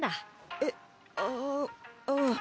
えっ？あうん。